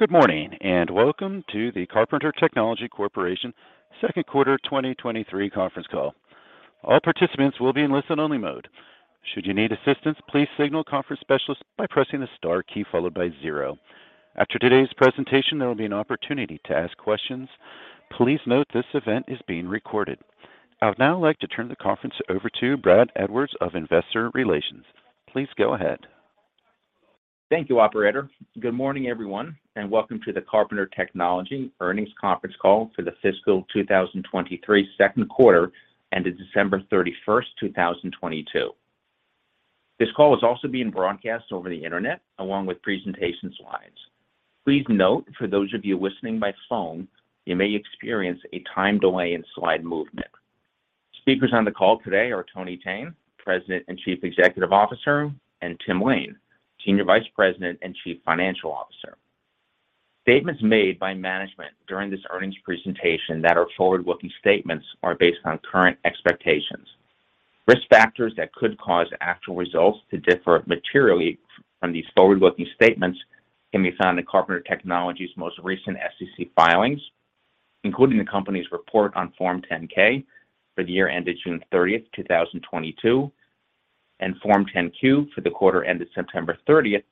Good morning, and welcome to the Carpenter Technology Corporation second quarter 2023 conference call. All participants will be in listen-only mode. Should you need assistance, please signal conference specialist by pressing the star key followed by zero. After today's presentation, there will be an opportunity to ask questions. Please note this event is being recorded. I'd now like to turn the conference over to Brad Edwards of Investor Relations. Please go ahead. Thank you, operator. Good morning, everyone, and welcome to the Carpenter Technology Earnings Conference call for the fiscal 2023 second quarter ended December 31, 2022. This call is also being broadcast over the internet along with presentation slides. Please note for those of you listening by phone, you may experience a time delay in slide movement. Speakers on the call today are Tony Thene, President and Chief Executive Officer, and Timothy Lain, Senior Vice President and Chief Financial Officer. Statements made by management during this earnings presentation that are forward-looking statements are based on current expectations. Risk factors that could cause actual results to differ materially from these forward-looking statements can be found in Carpenter Technology's most recent SEC filings, including the company's report on Form 10-K for the year ended June 30th, 2022, and Form 10-Q for the quarter ended September 30th,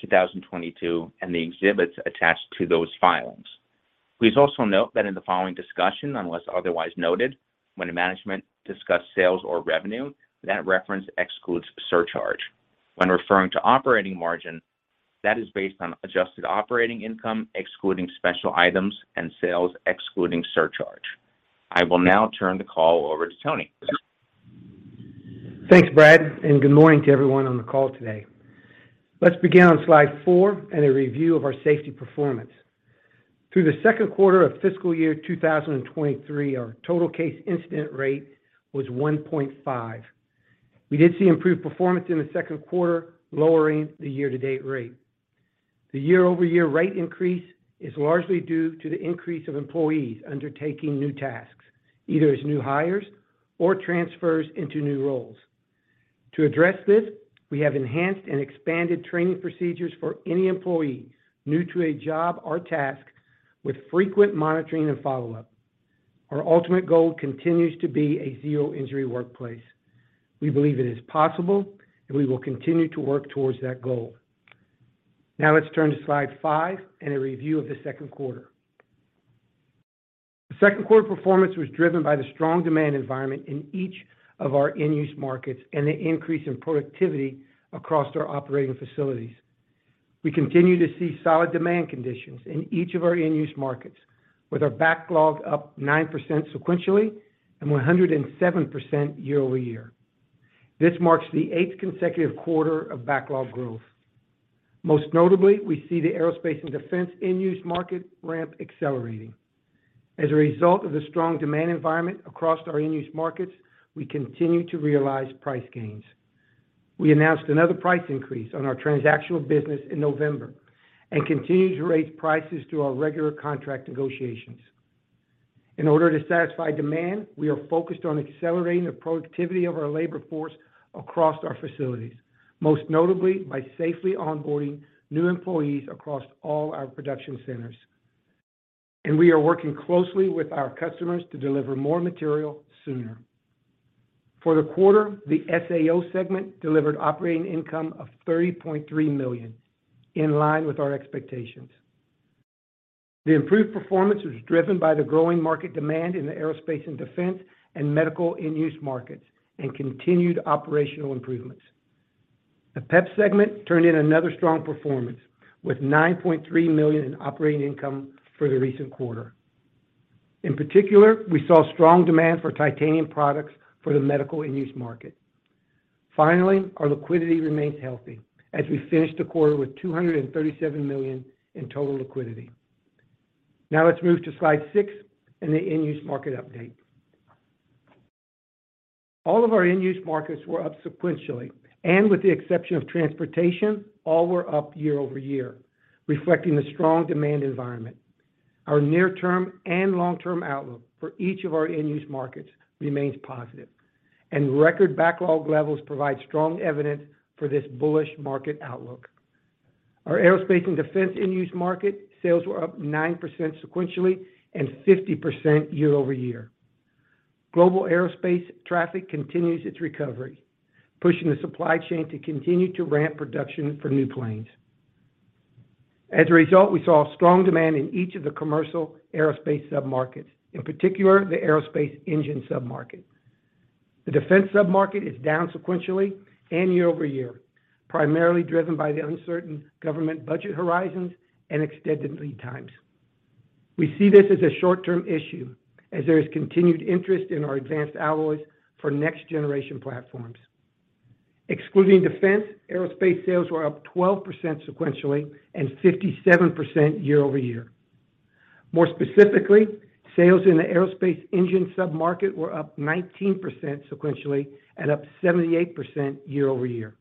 2022, and the exhibits attached to those filings. Please also note that in the following discussion, unless otherwise noted, when management discuss sales or revenue, that reference excludes surcharge. When referring to operating margin, that is based on adjusted operating income, excluding special items and sales excluding surcharge. I will now turn the call over to Tony. Thanks, Brad. Good morning to everyone on the call today. Let's begin on slide four. A review of our safety performance. Through the second quarter of fiscal year 2023, our Total Case Incident Rate was 1.5. We did see improved performance in the second quarter, lowering the year-to-date rate. The year-over-year rate increase is largely due to the increase of employees undertaking new tasks, either as new hires or transfers into new roles. To address this, we have enhanced and expanded training procedures for any employee new to a job or task with frequent monitoring and follow-up. Our ultimate goal continues to be a zero-injury workplace. We believe it is possible. We will continue to work towards that goal. Now let's turn to slide five. A review of the second quarter. The second quarter performance was driven by the strong demand environment in each of our end-use markets and the increase in productivity across our operating facilities. We continue to see solid demand conditions in each of our end-use markets, with our backlog up 9% sequentially and 107% year-over-year. This marks the 8th consecutive quarter of backlog growth. Most notably, we see the aerospace and defense end-use market ramp accelerating. As a result of the strong demand environment across our end-use markets, we continue to realize price gains. We announced another price increase on our transactional business in November and continue to raise prices through our regular contract negotiations. In order to satisfy demand, we are focused on accelerating the productivity of our labor force across our facilities, most notably by safely onboarding new employees across all our production centers. We are working closely with our customers to deliver more material sooner. For the quarter, the SAO segment delivered operating income of $30.3 million in line with our expectations. The improved performance was driven by the growing market demand in the aerospace and defense and medical end-use markets and continued operational improvements. The PEP segment turned in another strong performance with $9.3 million in operating income for the recent quarter. In particular, we saw strong demand for titanium products for the medical end-use market. Finally, our liquidity remains healthy as we finished the quarter with $237 million in total liquidity. Now let's move to slide six and the end-use market update. All of our end-use markets were up sequentially, and with the exception of transportation, all were up year-over-year, reflecting the strong demand environment. Our near-term and long-term outlook for each of our end-use markets remains positive, and record backlog levels provide strong evidence for this bullish market outlook. Our aerospace and defense end-use market sales were up 9% sequentially and 50% year-over-year. Global aerospace traffic continues its recovery, pushing the supply chain to continue to ramp production for new planes. As a result, we saw strong demand in each of the commercial aerospace submarkets, in particular, the aerospace engine submarket. The defense submarket is down sequentially and year-over-year, primarily driven by the uncertain government budget horizons and extended lead times. We see this as a short-term issue as there is continued interest in our advanced alloys for next generation platforms. Excluding defense, aerospace sales were up 12% sequentially and 57% year-over-year. More specifically, sales in the aerospace engine submarket were up 19% sequentially and up 78% year-over-year.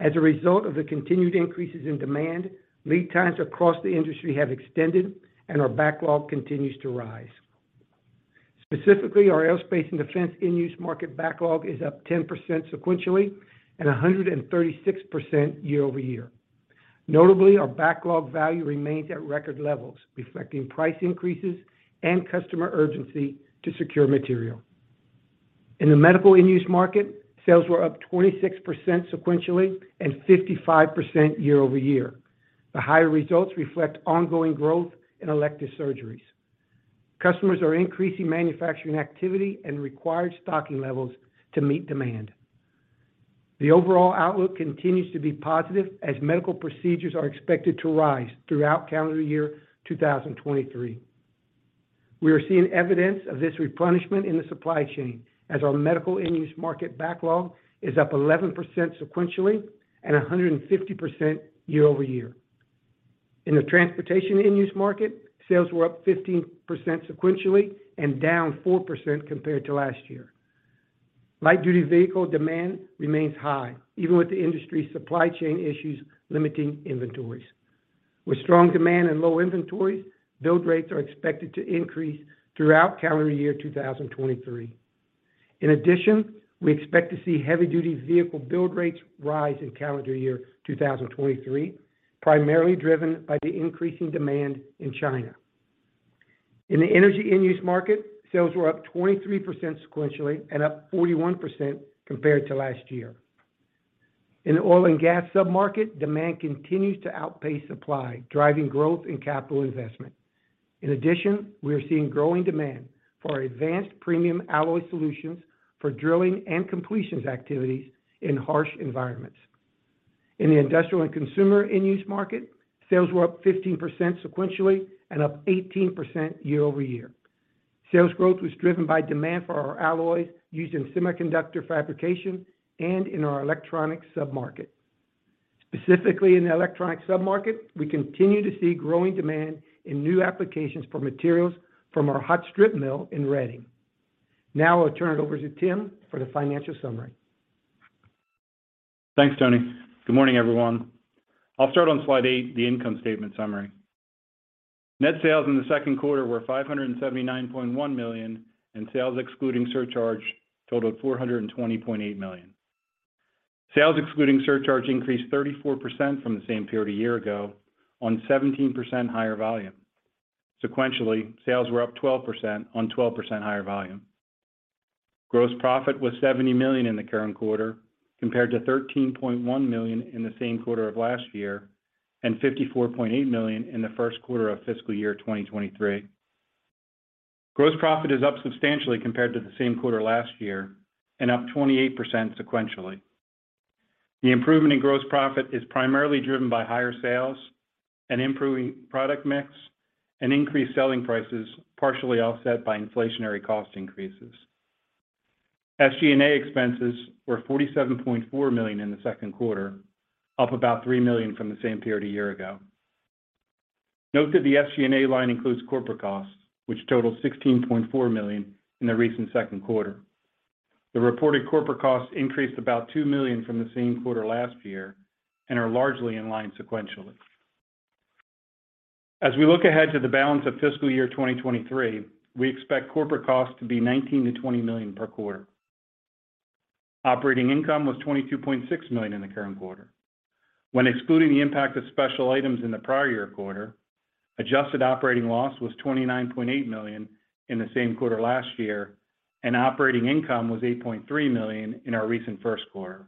As a result of the continued increases in demand, lead times across the industry have extended, and our backlog continues to rise. Specifically, our aerospace and defense end-use market backlog is up 10% sequentially and 136% year-over-year. Notably, our backlog value remains at record levels, reflecting price increases and customer urgency to secure material. In the medical end-use market, sales were up 26% sequentially and 55% year-over-year. The higher results reflect ongoing growth in elective surgeries. Customers are increasing manufacturing activity and required stocking levels to meet demand. The overall outlook continues to be positive as medical procedures are expected to rise throughout calendar year 2023. We are seeing evidence of this replenishment in the supply chain as our medical end-use market backlog is up 11% sequentially and 150% year-over-year. In the transportation end-use market, sales were up 15% sequentially and down 4% compared to last year. Light-duty vehicle demand remains high, even with the industry supply chain issues limiting inventories. With strong demand and low inventories, build rates are expected to increase throughout calendar year 2023. In addition, we expect to see heavy-duty vehicle build rates rise in calendar year 2023, primarily driven by the increasing demand in China. In the energy end-use market, sales were up 23% sequentially and up 41% compared to last year. In the oil and gas sub-market, demand continues to outpace supply, driving growth in capital investment. In addition, we are seeing growing demand for our advanced premium alloy solutions for drilling and completions activities in harsh environments. In the industrial and consumer end-use market, sales were up 15% sequentially and up 18% year-over-year. Sales growth was driven by demand for our alloys used in semiconductor fabrication and in our electronic sub-market. Specifically in the electronic sub-market, we continue to see growing demand in new applications for materials from our hot strip mill in Reading. I'll turn it over to Tim for the financial summary. Thanks, Tony. Good morning, everyone. I'll start on slide eight, the income statement summary. Net sales in the second quarter were $579.1 million, and sales excluding surcharge totaled $420.8 million. Sales excluding surcharge increased 34% from the same period a year ago on 17% higher volume. Sequentially, sales were up 12% on 12% higher volume. Gross profit was $70 million in the current quarter, compared to $13.1 million in the same quarter of last year and $54.8 million in the first quarter of fiscal year 2023. Gross profit is up substantially compared to the same quarter last year and up 28% sequentially. The improvement in gross profit is primarily driven by higher sales and improving product mix and increased selling prices, partially offset by inflationary cost increases. SG&A expenses were $47.4 million in the second quarter, up about $3 million from the same period a year ago. Note that the SG&A line includes corporate costs, which totaled $16.4 million in the recent second quarter. The reported corporate costs increased about $2 million from the same quarter last year and are largely in line sequentially. As we look ahead to the balance of fiscal year 2023, we expect corporate costs to be $19 million-$20 million per quarter. Operating income was $22.6 million in the current quarter. When excluding the impact of special items in the prior year quarter, adjusted operating loss was $29.8 million in the same quarter last year, and operating income was $8.3 million in our recent first quarter.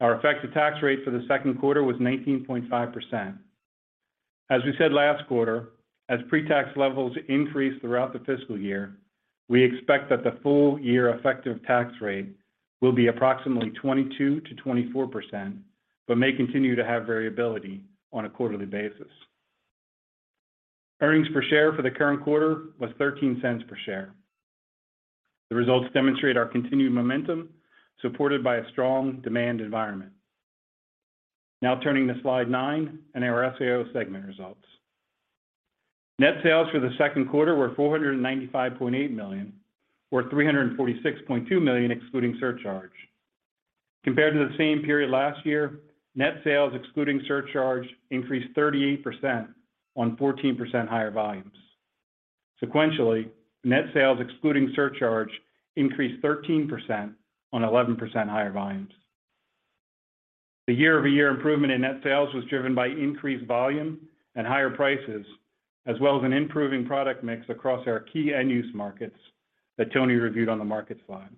Our effective tax rate for the second quarter was 19.5%. As we said last quarter, as pre-tax levels increase throughout the fiscal year, we expect that the full year effective tax rate will be approximately 22%-24%, but may continue to have variability on a quarterly basis. Earnings per share for the current quarter was $0.13 per share. The results demonstrate our continued momentum, supported by a strong demand environment. Turning to slide 9 and our SAO segment results. Net sales for the second quarter were $495.8 million, or $346.2 million excluding surcharge. Compared to the same period last year, net sales excluding surcharge increased 38% on 14% higher volumes. Sequentially, net sales excluding surcharge increased 13% on 11% higher volumes. The year-over-year improvement in net sales was driven by increased volume and higher prices, as well as an improving product mix across our key end-use markets that Tony reviewed on the markets slide.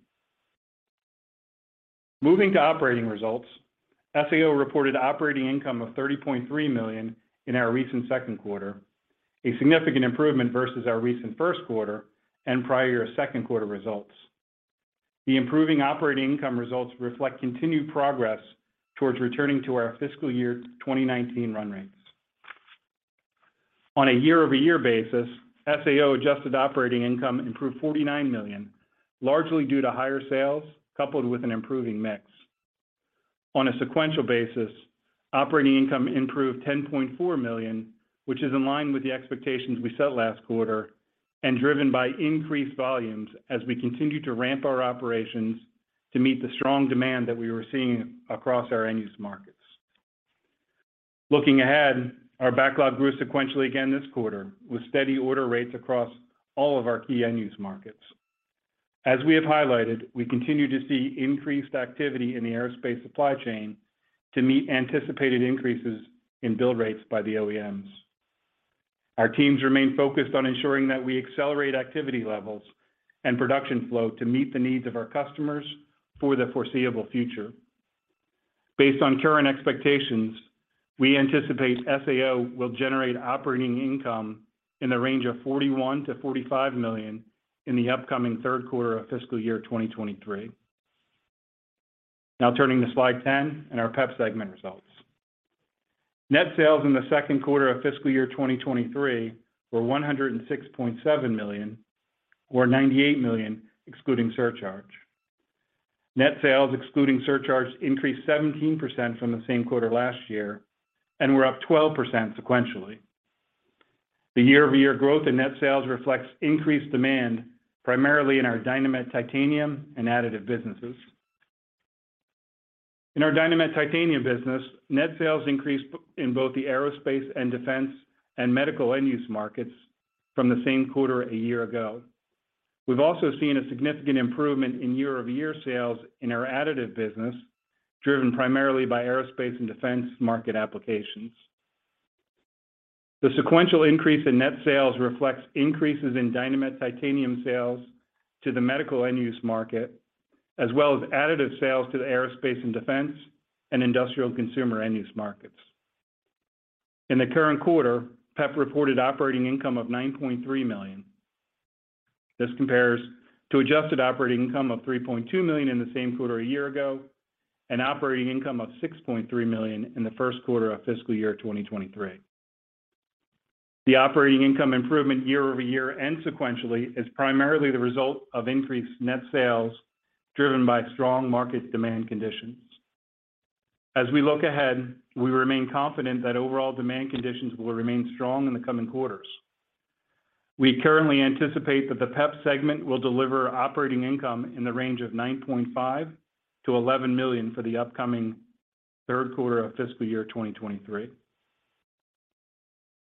Moving to operating results, SAO reported operating income of $30.3 million in our recent second quarter, a significant improvement versus our recent first quarter and prior second quarter results. The improving operating income results reflect continued progress towards returning to our fiscal year 2019 run rates. On a year-over-year basis, SAO adjusted operating income improved $49 million, largely due to higher sales coupled with an improving mix. On a sequential basis, operating income improved $10.4 million, which is in line with the expectations we set last quarter and driven by increased volumes as we continue to ramp our operations to meet the strong demand that we were seeing across our end-use markets. Looking ahead, our backlog grew sequentially again this quarter, with steady order rates across all of our key end-use markets. As we have highlighted, we continue to see increased activity in the aerospace supply chain to meet anticipated increases in build rates by the OEMs. Our teams remain focused on ensuring that we accelerate activity levels and production flow to meet the needs of our customers for the foreseeable future. Based on current expectations, we anticipate SAO will generate operating income in the range of $41 million-$45 million in the upcoming third quarter of fiscal year 2023. Turning to slide 10 and our PEP segment results. Net sales in the second quarter of FY 2023 were $106.7 million, or $98 million excluding surcharge. Net sales excluding surcharge increased 17% from the same quarter last year and were up 12% sequentially. The year-over-year growth in net sales reflects increased demand, primarily in our Dynamet titanium and additive businesses. In our Dynamet titanium business, net sales increased in both the aerospace and defense and medical end-use markets from the same quarter a year ago. We've also seen a significant improvement in year-over-year sales in our additive business, driven primarily by aerospace and defense market applications. The sequential increase in net sales reflects increases in Dynamet titanium sales to the medical end-use market, as well as additive sales to the aerospace and defense and industrial consumer end-use markets. In the current quarter, PEP reported operating income of $9.3 million. This compares to adjusted operating income of $3.2 million in the same quarter a year ago and operating income of $6.3 million in the first quarter of fiscal year 2023. The operating income improvement year-over-year and sequentially is primarily the result of increased net sales driven by strong market demand conditions. We look ahead, we remain confident that overall demand conditions will remain strong in the coming quarters. We currently anticipate that the PEP segment will deliver operating income in the range of $9.5 million-$11 million for the upcoming third quarter of fiscal year 2023.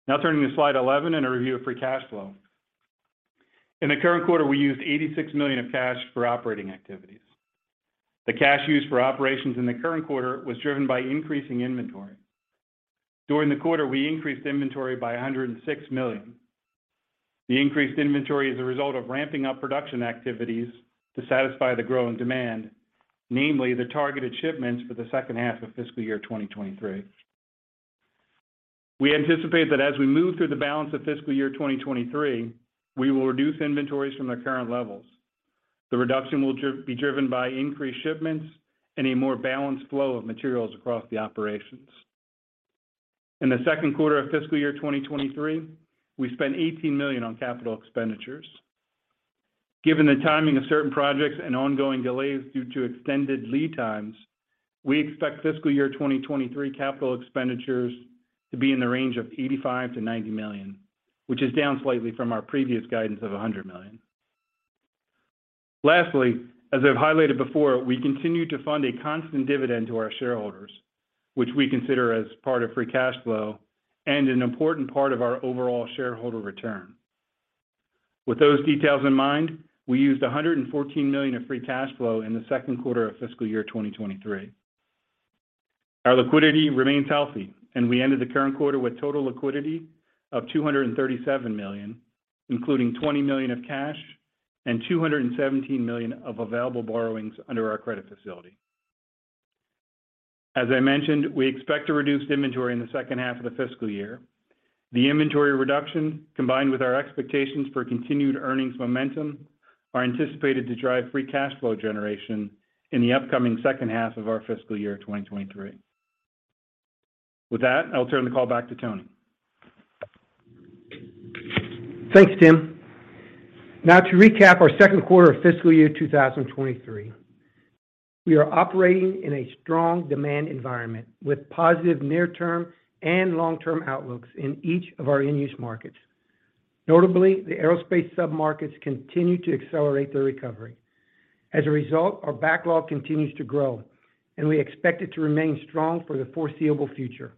Turning to slide 11 and a review of free cash flow. In the current quarter, we used $86 million of cash for operating activities. The cash used for operations in the current quarter was driven by increasing inventory. During the quarter, we increased inventory by $106 million. The increased inventory is a result of ramping up production activities to satisfy the growing demand, namely the targeted shipments for the second half of fiscal year 2023. We anticipate that as we move through the balance of fiscal year 2023, we will reduce inventories from their current levels. The reduction will be driven by increased shipments and a more balanced flow of materials across the operations. In the second quarter of fiscal year 2023, we spent $18 million on capital expenditures. Given the timing of certain projects and ongoing delays due to extended lead times, we expect fiscal year 2023 CapEx to be in the range of $85 million-$90 million, which is down slightly from our previous guidance of $100 million. Lastly, as I've highlighted before, we continue to fund a constant dividend to our shareholders, which we consider as part of free cash flow and an important part of our overall shareholder return. With those details in mind, we used $114 million of free cash flow in the second quarter of fiscal year 2023. Our liquidity remains healthy, and we ended the current quarter with total liquidity of $237 million, including $20 million of cash and $217 million of available borrowings under our credit facility. As I mentioned, we expect to reduce inventory in the second half of the fiscal year. The inventory reduction, combined with our expectations for continued earnings momentum, are anticipated to drive free cash flow generation in the upcoming second half of our fiscal year 2023. With that, I'll turn the call back to Tony. Thanks, Tim. To recap our second quarter of fiscal year 2023. We are operating in a strong demand environment with positive near-term and long-term outlooks in each of our end-use markets. Notably, the aerospace submarkets continue to accelerate their recovery. As a result, our backlog continues to grow, and we expect it to remain strong for the foreseeable future.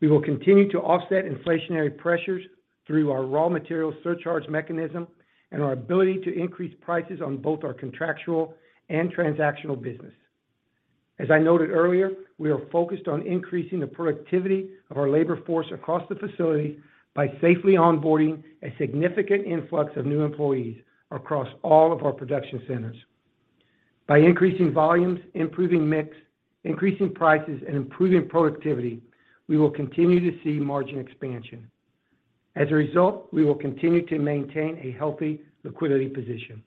We will continue to offset inflationary pressures through our raw material surcharge mechanism and our ability to increase prices on both our contractual and transactional business. As I noted earlier, we are focused on increasing the productivity of our labor force across the facility by safely onboarding a significant influx of new employees across all of our production centers. By increasing volumes, improving mix, increasing prices, and improving productivity, we will continue to see margin expansion. As a result, we will continue to maintain a healthy liquidity position.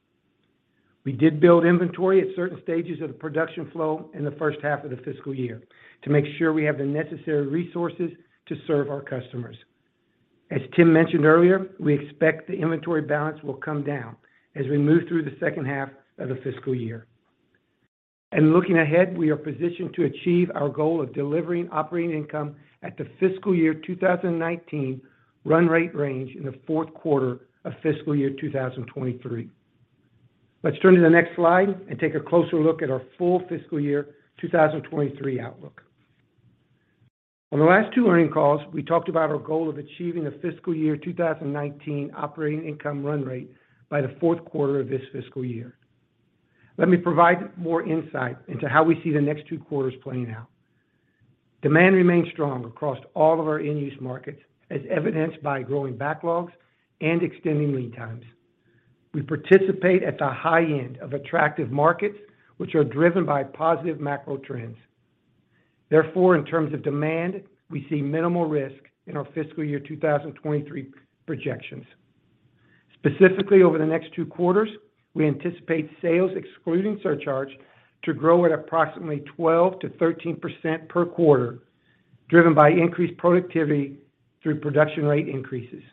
We did build inventory at certain stages of the production flow in the first half of the fiscal year to make sure we have the necessary resources to serve our customers. As Tim mentioned earlier, we expect the inventory balance will come down as we move through the second half of the fiscal year. Looking ahead, we are positioned to achieve our goal of delivering operating income at the fiscal year 2019 run rate range in the fourth quarter of fiscal year 2023. Let's turn to the next slide and take a closer look at our full fiscal year 2023 outlook. On the last two earning calls, we talked about our goal of achieving a fiscal year 2019 operating income run rate by the fourth quarter of this fiscal year. Let me provide more insight into how we see the next two quarters playing out. Demand remains strong across all of our in-use markets, as evidenced by growing backlogs and extending lead times. We participate at the high end of attractive markets, which are driven by positive macro trends. In terms of demand, we see minimal risk in our fiscal year 2023 projections. Over the next two quarters, we anticipate sales excluding surcharge to grow at approximately 12%-13% per quarter, driven by increased productivity through production rate increases.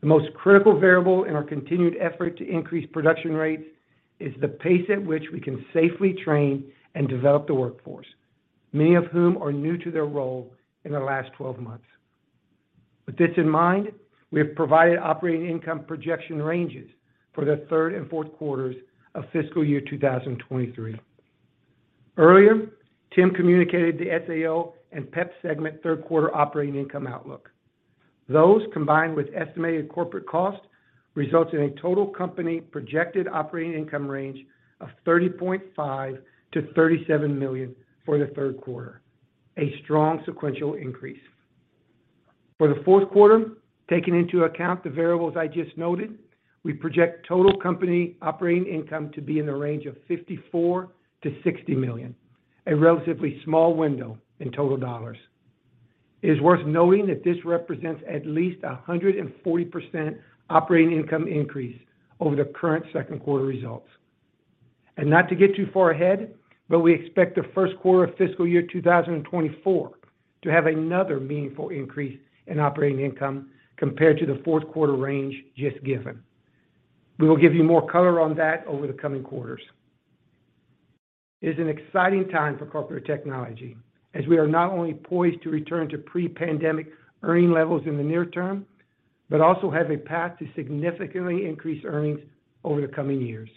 The most critical variable in our continued effort to increase production rates is the pace at which we can safely train and develop the workforce, many of whom are new to their role in the last 12 months. With this in mind, we have provided operating income projection ranges for the third and fourth quarters of fiscal year 2023. Earlier, Tim communicated the SAO and PEP segment third quarter operating income outlook. Those, combined with estimated corporate costs, result in a total company projected operating income range of $30.5 million-$37 million for the third quarter, a strong sequential increase. For the fourth quarter, taking into account the variables I just noted, we project total company operating income to be in the range of $54 million-$60 million, a relatively small window in total dollars. It is worth noting that this represents at least a 140% operating income increase over the current second quarter results. Not to get too far ahead, but we expect the first quarter of fiscal year 2024 to have another meaningful increase in operating income compared to the fourth quarter range just given. We will give you more color on that over the coming quarters. It is an exciting time for Carpenter Technology as we are not only poised to return to pre-pandemic earning levels in the near term, but also have a path to significantly increase earnings over the coming years.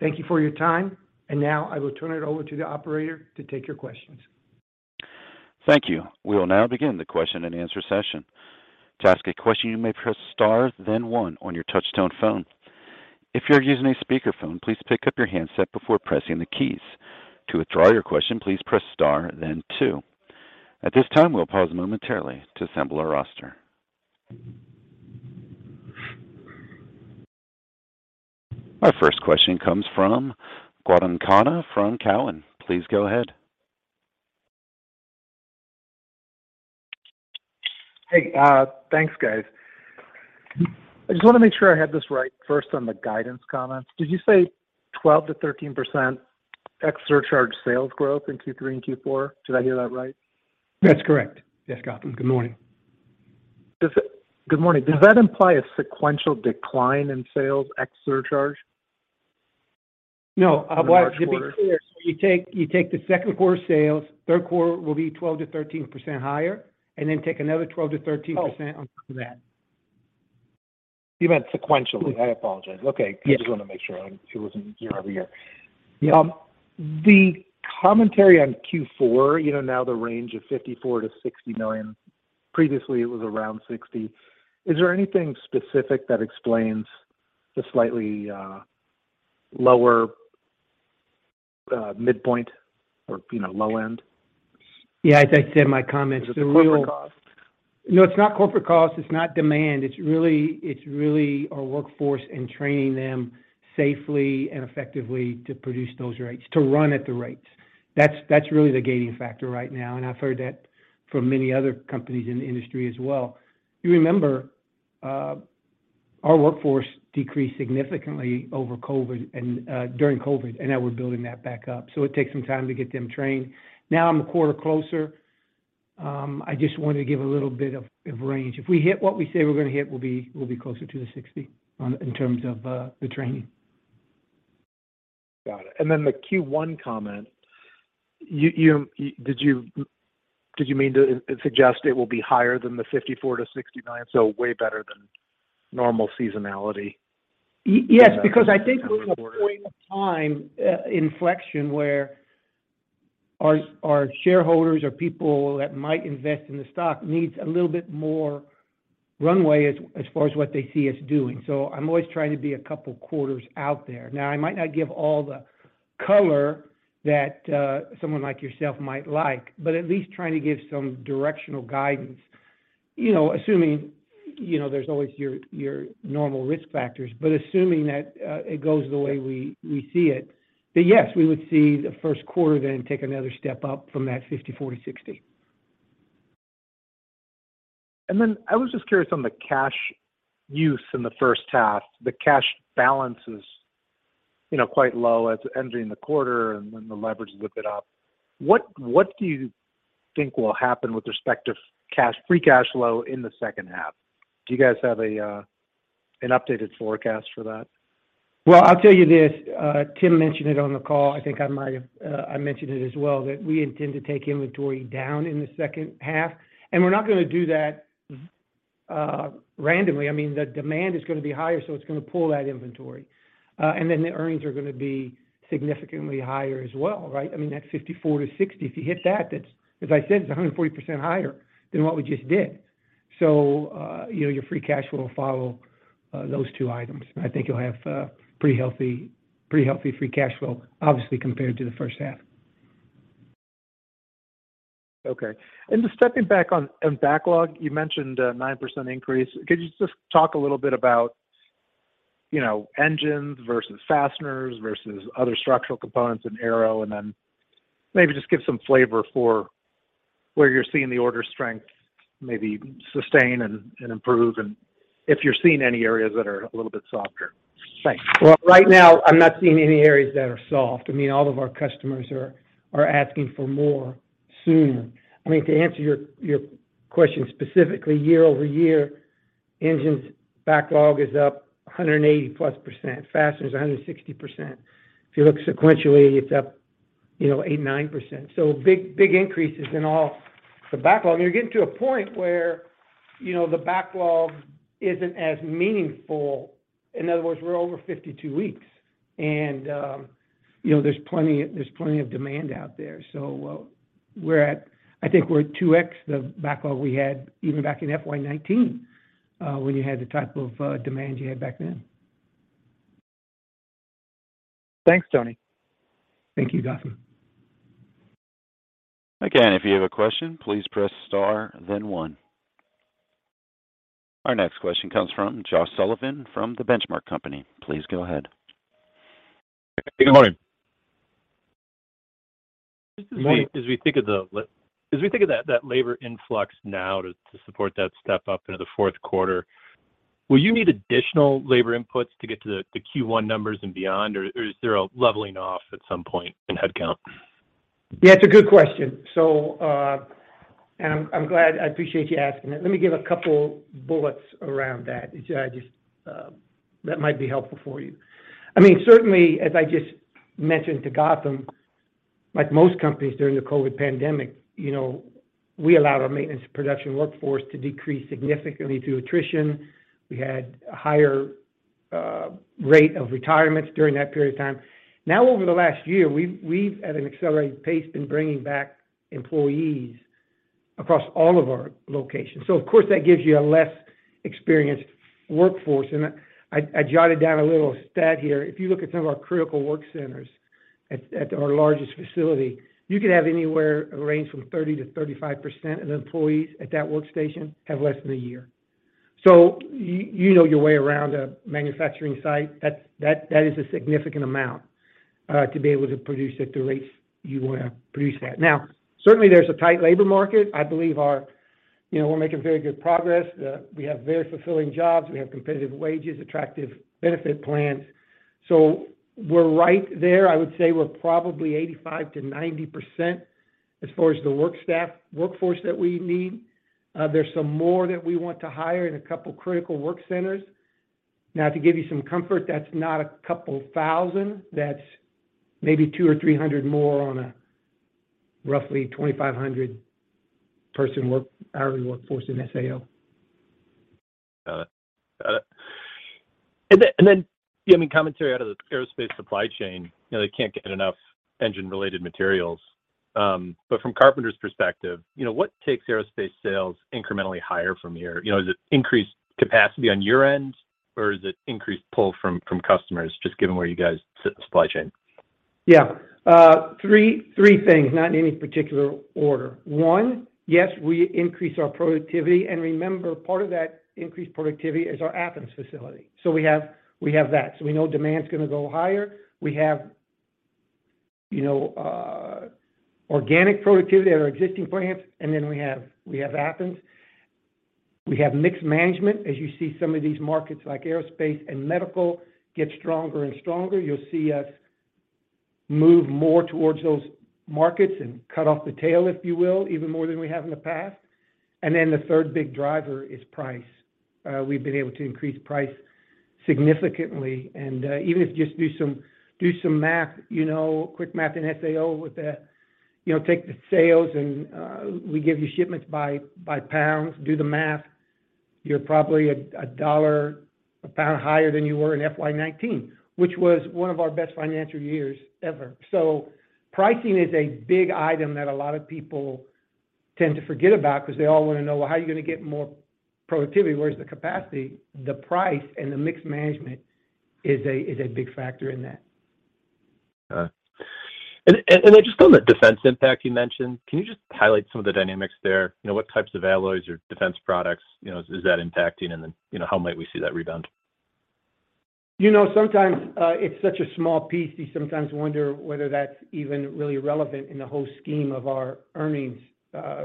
Thank you for your time, now I will turn it over to the operator to take your questions. Thank you. We will now begin the question and answer session. To ask a question, you may press star then one on your touchtone phone. If you're using a speaker phone, please pick up your handset before pressing the keys. To withdraw your question, please press star then two. At this time, we'll pause momentarily to assemble our roster. Our first question comes from Gautam Khanna from Cowen. Please go ahead. Hey, thanks, guys. I just want to make sure I have this right first on the guidance comments. Did you say 12%-13% ex surcharge sales growth in Q3 and Q4? Did I hear that right? That's correct. Yes, Gautam. Good morning. Good morning. Does that imply a sequential decline in sales ex surcharge? No. Well, to be clear, you take the second quarter sales, third quarter will be 12%-13% higher, take another 12%-13% on top of that. You meant sequentially. I apologize. Okay. Yes. I just want to make sure it wasn't year-over-year. Yeah. The commentary on Q4, you know, now the range of $54 million-$60 million. Previously, it was around $60 million. Is there anything specific that explains the slightly lower midpoint or, you know, low end? Yeah, as I said in my comments. Is it the corporate costs? No, it's not corporate costs. It's not demand. It's really our workforce and training them safely and effectively to produce those rates, to run at the rates. That's really the gating factor right now, and I've heard that from many other companies in the industry as well. You remember, our workforce decreased significantly over COVID and during COVID, and now we're building that back up. It takes some time to get them trained. I'm a quarter closer, I just wanted to give a little bit of range. If we hit what we say we're gonna hit, we'll be closer to the 60 in terms of the training. Got it. The Q1 comment. You did you mean to suggest it will be higher than the $54 million-$60 million? Way better than normal seasonality? Yes, because I think we're in a point of time, inflection where our shareholders or people that might invest in the stock needs a little bit more runway as far as what they see us doing. I'm always trying to be a couple quarters out there. I might not give all the color that someone like yourself might like, but at least trying to give some directional guidance. You know, assuming, you know, there's always your normal risk factors, but assuming that it goes the way we see it. Yes, we would see the first quarter then take another step up from that 54-60. I was just curious on the cash use in the first half, the cash balance is, you know, quite low as entering the quarter and then the leverage to lift it up. What do you think will happen with respect to cash, free cash flow in the second half? Do you guys have an updated forecast for that? Well, I'll tell you this, Tim mentioned it on the call. I think I might have, I mentioned it as well, that we intend to take inventory down in the second half. We're not gonna do that randomly, I mean, the demand is gonna be higher, so it's gonna pull that inventory. And then the earnings are gonna be significantly higher as well, right? I mean, that's $54-$60. If you hit that's, as I said, it's 140% higher than what we just did. You know, your free cash flow will follow those two items. I think you'll have pretty healthy free cash flow, obviously, compared to the first half. Okay. Just stepping back on backlog, you mentioned a 9% increase. Could you just talk a little bit about, you know, engines versus fasteners versus other structural components in Aero, and then maybe just give some flavor for where you're seeing the order strength maybe sustain and improve, and if you're seeing any areas that are a little bit softer. Thanks. Right now I'm not seeing any areas that are soft. I mean, all of our customers are asking for more sooner. I mean, to answer your question specifically, year-over-year, engines backlog is up 180%+. Fasteners, 160%. If you look sequentially, it's up, you know, 8%, 9%. Big increases in all the backlog. You're getting to a point where, you know, the backlog isn't as meaningful. In other words, we're over 52 weeks and, you know, there's plenty of demand out there. We're at I think we're at 2x the backlog we had even back in FY 2019, when you had the type of demand you had back then. Thanks, Tony. Thank you, Gautam. Again, if you have a question, please press star then one. Our next question comes from Josh Sullivan from The Benchmark Company. Please go ahead. Good morning. Morning. Just as we think of that labor influx now to support that step up into the fourth quarter, will you need additional labor inputs to get to the Q1 numbers and beyond, or is there a leveling off at some point in headcount? Yeah, it's a good question. I appreciate you asking it. Let me give a couple bullets around that. That might be helpful for you. I mean, certainly, as I just mentioned to Gautam, like most companies during the COVID pandemic, you know, we allowed our maintenance production workforce to decrease significantly through attrition. We had a higher rate of retirements during that period of time. Over the last year, we've at an accelerated pace, been bringing back employees across all of our locations. Of course, that gives you a less experienced workforce. I jotted down a little stat here. If you look at some of our critical work centers at our largest facility, you could have anywhere range from 30%-35% of employees at that workstation have less than one year. You know your way around a manufacturing site. That's, that is a significant amount to be able to produce at the rates you wanna produce at. Certainly there's a tight labor market. I believe. You know, we're making very good progress. We have very fulfilling jobs. We have competitive wages, attractive benefit plans. We're right there. I would say we're probably 85%-90% as far as the workforce that we need. There's some more that we want to hire in a couple critical work centers. To give you some comfort, that's not a couple thousand. That's maybe 200 or 300 more on a roughly 2,500 person hourly workforce in SAO. Got it. Got it. Then you have any commentary out of the aerospace supply chain. You know, they can't get enough engine-related materials. From Carpenter's perspective, you know, what takes aerospace sales incrementally higher from here? You know, is it increased capacity on your end, or is it increased pull from customers, just given where you guys sit in the supply chain? Yeah. three things, not in any particular order. One, yes, we increase our productivity, and remember, part of that increased productivity is our Athens facility. We have that. We know demand's gonna go higher. We have, you know, organic productivity at our existing plants. Then we have Athens. We have mixed management. As you see some of these markets like aerospace and medical get stronger and stronger, you'll see us move more towards those markets and cut off the tail, if you will, even more than we have in the past. Then the third big driver is price. We've been able to increase price significantly. Even if you just do some math, you know, quick math in SAO with the You know, take the sales and we give you shipments by pounds. Do the math. You're probably $1 a pound higher than you were in FY 2019, which was one of our best financial years ever. Pricing is a big item that a lot of people tend to forget about because they all wanna know, "Well, how are you gonna get more productivity? Where's the capacity?" The price and the mixed management is a big factor in that. Got it. Just on the defense impact you mentioned, can you just highlight some of the dynamics there? What types of alloys or defense products is that impacting? How might we see that rebound? You know, sometimes, it's such a small piece, you sometimes wonder whether that's even really relevant in the whole scheme of our earnings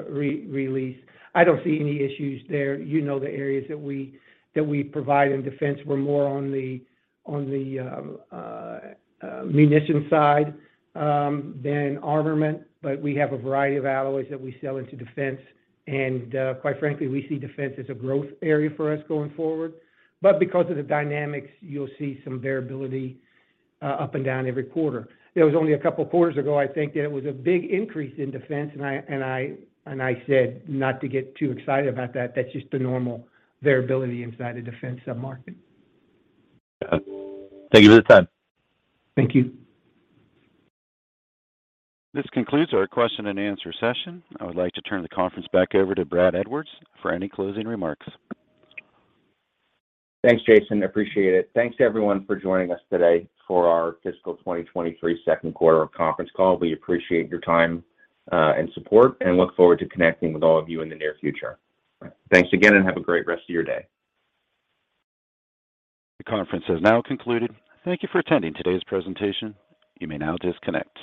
re-release. I don't see any issues there. You know, the areas that we provide in defense, we're more on the munition side than armament, but we have a variety of alloys that we sell into defense. Quite frankly, we see defense as a growth area for us going forward. Because of the dynamics, you'll see some variability up and down every quarter. It was only a couple quarters ago, I think, that it was a big increase in defense, I said not to get too excited about that. That's just the normal variability inside a defense sub-market. Got it. Thank you for the time. Thank you. This concludes our question and answer session. I would like to turn the conference back over to Brad Edwards for any closing remarks. Thanks, Jason. Appreciate it. Thanks, everyone, for joining us today for our fiscal 2023 second quarter conference call. We appreciate your time, and support, and look forward to connecting with all of you in the near future. Thanks again. Have a great rest of your day. The conference has now concluded. Thank you for attending today's presentation. You may now disconnect.